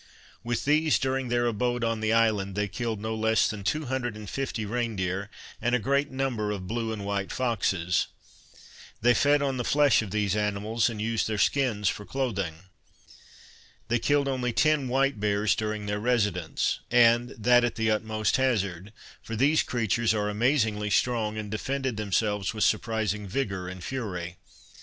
With these, during their abode on the island, they killed no less than two hundred and fifty rein deer, and a great number of blue and white foxes. They fed on the flesh of the animals and used their skins for clothing. They killed only ten white bears during their residence, and that at the utmost hazard, for these creatures are amazingly strong, and defended themselves with surprising vigour and fury.